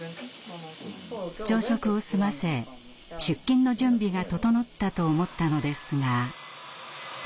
朝食を済ませ出勤の準備が整ったと思ったのですが。